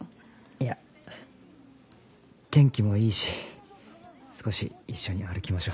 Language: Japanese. いや天気もいいし少し一緒に歩きましょう。